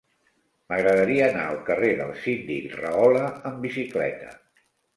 M'agradaria anar al carrer del Síndic Rahola amb bicicleta.